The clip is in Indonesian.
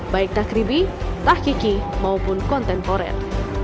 baik takribi takiki maupun kontemporer